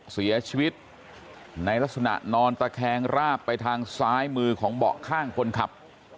เสียชีวิตในลักษณะนอนตะแคงราบไปทางซ้ายมือของเบาะข้างคนขับ